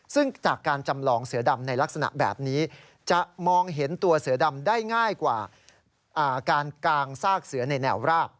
ซึ่งจากการจำลองเสือดำในลักษณะแบบนี้จะมองเห็นตัวเสือดำได้ง่ายกว่าการกางซากเสือในแนวราบ